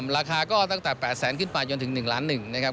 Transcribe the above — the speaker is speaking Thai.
ราคาก็ตั้งแต่๘๐๐๐๐๐บาทขึ้นมาจนถึง๑๐๐๐๐๐๐บาทนะครับ